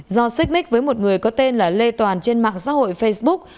do xích mít với một người có tên là lê toàn trên mạng xã hội facebook